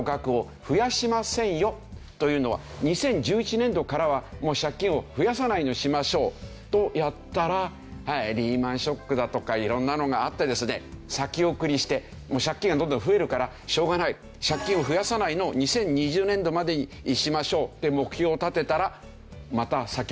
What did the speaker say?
というのは２０１１年度からはもう借金を増やさないようにしましょうとやったらリーマンショックだとか色んなのがあってですね先送りして借金がどんどん増えるからしょうがない借金を増やさないのを２０２０年度までにしましょうって目標を立てたらまた先送りになっちゃいましたね。